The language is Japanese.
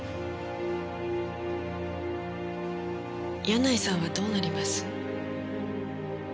柳井さんはどうなります？